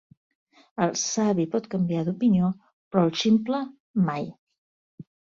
El savi pot canviar d'opinió, però el ximple, mai